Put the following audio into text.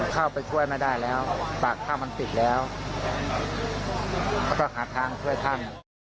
เข้าไปกล้วยไม่ได้แล้วปากท่ามันติดแล้วเขาก็หาทางช่วยท่าน